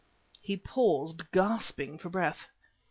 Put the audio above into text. He paused, gasping for breath.